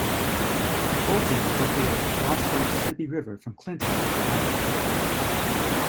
Fulton is located across the Mississippi River from Clinton, Iowa.